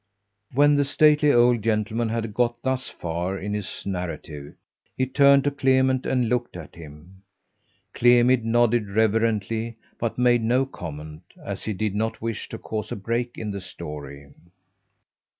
When the stately old gentleman had got thus far in his narrative he turned to Clement and looked at him. Clement nodded reverently but made no comment, as he did not wish to cause a break in the story.